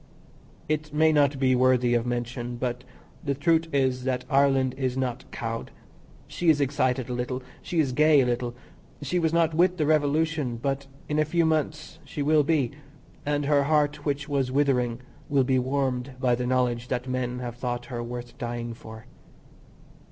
It may not be worthy of mention, but the truth is, that Ireland is not cowed. She is excited a little. She is gay a little. She was not with the revolution, but in a few months she will be, and her heart which was withering will be warmed by the knowledge that men have thought her worth dying for.